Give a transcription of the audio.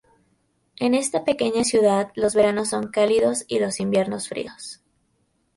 En esta pequeña ciudad los veranos son cálidos y los inviernos fríos.